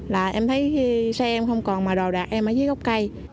là em thấy xe em không còn mà đồ đạc em ở dưới gốc cây